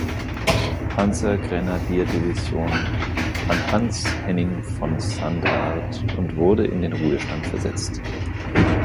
Panzergrenadierdivision, an Hans-Henning von Sandrart und wurde in den Ruhestand versetzt.